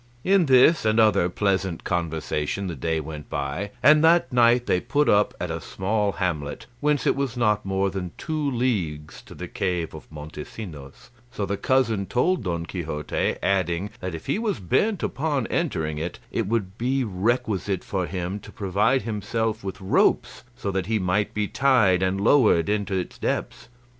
In this and other pleasant conversation the day went by, and that night they put up at a small hamlet whence it was not more than two leagues to the cave of Montesinos, so the cousin told Don Quixote, adding, that if he was bent upon entering it, it would be requisite for him to provide himself with ropes, so that he might be tied and lowered into its depths.